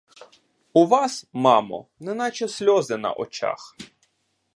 У вас, мамо, неначе сльози на очах!